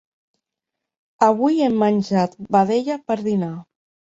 Avui hem menjat vedella per dinar.